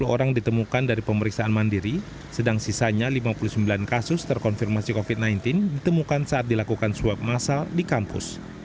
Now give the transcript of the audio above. sepuluh orang ditemukan dari pemeriksaan mandiri sedang sisanya lima puluh sembilan kasus terkonfirmasi covid sembilan belas ditemukan saat dilakukan swab masal di kampus